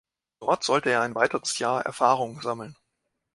Dort sollte er ein weiteres Jahr Erfahrung sammeln.